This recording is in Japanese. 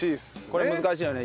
これ難しいよね。